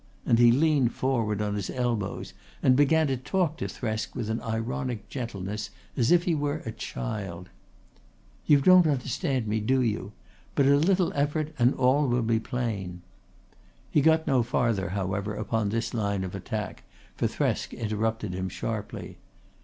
and he leaned forward on his elbows and began to talk to Thresk with an ironic gentleness as if he were a child. "You don't quite understand me, do you? But a little effort and all will be plain." He got no farther however upon this line of attack, for Thresk interrupted him sharply.